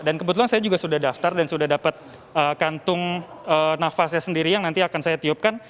dan kebetulan saya juga sudah daftar dan sudah dapat kantung nafasnya sendiri yang nanti akan saya tiupkan